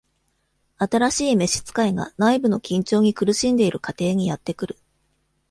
新しい召使いが、内部の緊張に苦しんでいる家庭にやって来る。